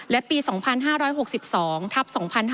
และปี๒๕๖๒ทัพ๒๕๕๙